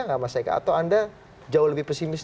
nggak mas eka atau anda jauh lebih pesimis